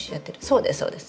そうですそうです。